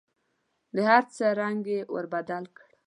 د هر څه رنګ یې ور بدل کړ .